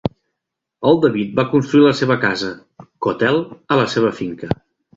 El David va construir la seva casa, Cotele, a la seva finca.